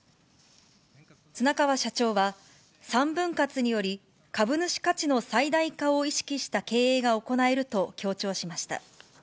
綱川社長は、３分割により、株主価値の最大化を意識した経営が行えると強調しました。